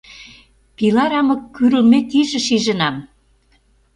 Пила рама кӱрлмек иже шижынам...